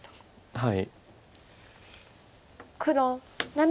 はい。